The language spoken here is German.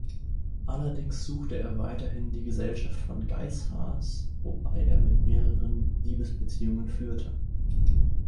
Allerdings suchte er weiterhin die Gesellschaft von Geishas, wobei er mit mehreren Liebesbeziehungen führte.